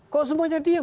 kok semuanya diem